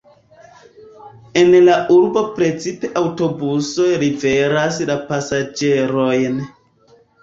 En la urbo precipe aŭtobusoj liveras la pasaĝerojn.